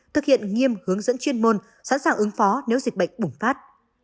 thực hiện nghiêm hướng dẫn chuyên môn sẵn sàng ứng phó nếu dịch bệnh bùng phát